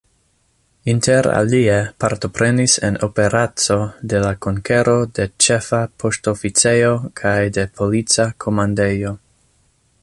Interalie partoprenis en operaco de la konkero de Ĉefa Poŝtoficejo kaj de Polica Komandejo.